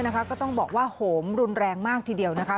ก็ต้องบอกว่าโหมรุนแรงมากทีเดียวนะคะ